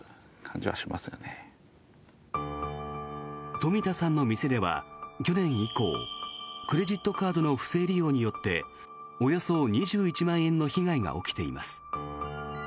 冨田さんの店では去年以降クレジットカードの不正利用によっておよそ２１万円の被害が起きています。